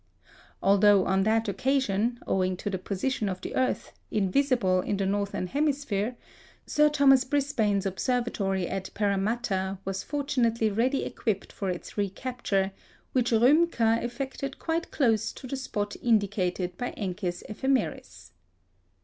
Although on that occasion, owing to the position of the earth, invisible in the northern hemisphere, Sir Thomas Brisbane's observatory at Paramatta was fortunately ready equipped for its recapture, which Rümker effected quite close to the spot indicated by Encke's ephemeris.